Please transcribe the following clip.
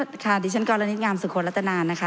ท่านประธานค่ะดิฉันกรณิตงามสุขลัตตนานะคะ